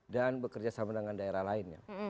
bekerja sama dengan daerah lainnya